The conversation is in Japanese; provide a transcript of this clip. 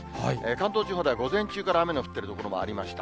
関東地方では午前中から雨の降ってる所もありました。